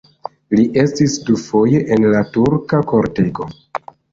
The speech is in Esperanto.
Li estis dufoje en la turka kortego.